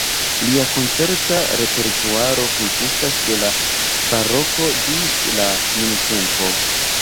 Lia koncerta repertuaro konsistas de la baroko ĝis la nuntempo.